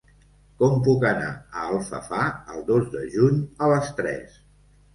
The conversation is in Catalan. Com puc anar a Alfafar el dos de juny a les tres?